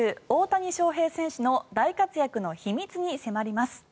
大谷翔平選手の大活躍の秘密に迫ります。